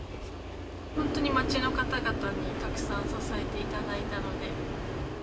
本当に街の方々にたくさん支えていただいたので。